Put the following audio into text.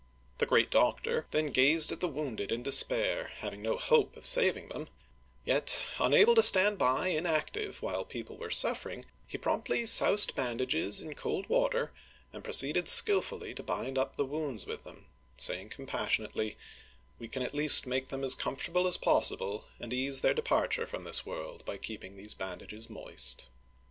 The great doctor then gazed at the wounded in despair, having no hope of sav ing them; yet, unable to stand by inactive while people were suffering, he promptly soused bandages in cold water, and proceeded skillfully to bind up the wounds with them, saying compassionately, "We can at least make them as comfortable as possible, and ease their departure from this world by keeping these bandages moist."